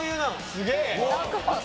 すげえな。